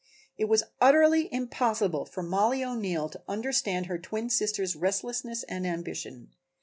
It was utterly impossible for Mollie O'Neill to understand her twin sister's restlessness and ambition.